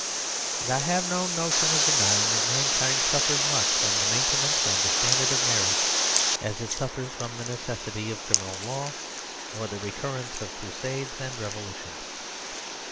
And I have no notion of denying that mankind suffers much from the maintenance of the standard of marriage ; as it suffers much from the neces sity of criminal law or the recurrence of cru The Tragedies of Marriage 115 sades and revolutions.